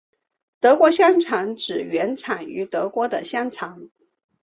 德国香肠是指原产于德国的香肠。